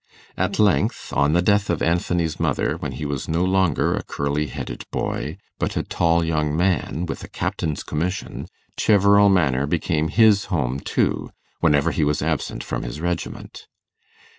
At length, on the death of Anthony's mother, when he was no longer a curly headed boy, but a tall young man, with a captain's commission, Cheverel Manor became his home too, whenever he was absent from his regiment.